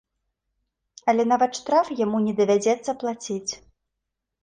Але нават штраф яму не давядзецца плаціць.